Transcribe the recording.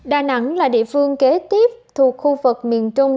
đà nẵng là địa phương kế tiếp thuộc khu vực miền trung